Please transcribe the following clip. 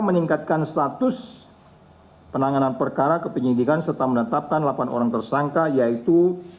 meningkatkan status penanganan perkara kepenyidikan serta menetapkan delapan orang tersangka yaitu